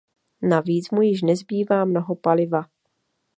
Navíc mu již nezbývá mnoho paliva.